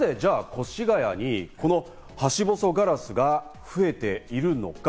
では、なぜ越谷にこのハシボソガラスが増えているのか。